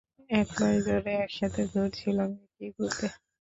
এক মাস ধরে একসাথে ঘুরছিলাম একই গ্রুপে।